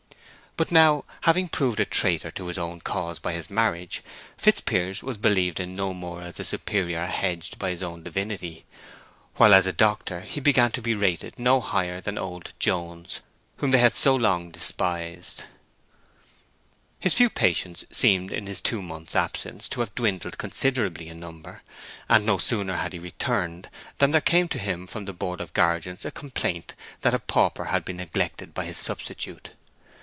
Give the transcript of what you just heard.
But now, having proved a traitor to his own cause by this marriage, Fitzpiers was believed in no more as a superior hedged by his own divinity; while as doctor he began to be rated no higher than old Jones, whom they had so long despised. His few patients seemed in his two months' absence to have dwindled considerably in number, and no sooner had he returned than there came to him from the Board of Guardians a complaint that a pauper had been neglected by his substitute.